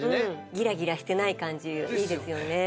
ギラギラしてない感じいいですよね。